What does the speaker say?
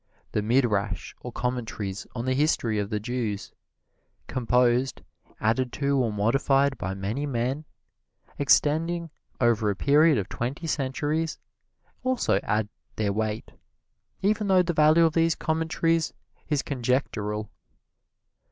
The Midrash or Commentaries on the History of the Jews, composed, added to or modified by many men, extending over a period of twenty centuries, also add their weight, even though the value of these Commentaries is conjectural.